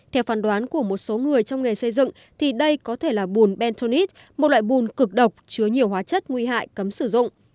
theo phán đoán của một số người trong nghề xây dựng thì đây có thể là bùn bentonite một loại bùn cực độc chứa nhiều hóa chất nguy hại cấm sử dụng